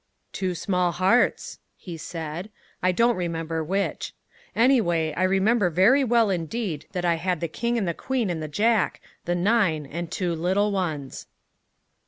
"Two small hearts," he said. "I don't remember which. Anyway, I remember very well indeed that I had the king and the queen and the jack, the nine, and two little ones."